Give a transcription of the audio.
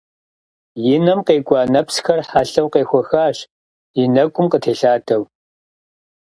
И нэм къекӏуа нэпсхэр, хьэлъэу къехуэхащ, и нэкӏум къытелъадэу.